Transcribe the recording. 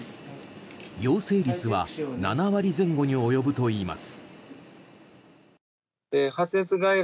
陽性率は７割前後に及ぶといいます。